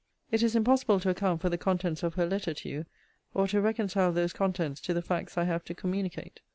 It is impossible to account for the contents of her letter to you; or to reconcile those contents to the facts I have to communicate.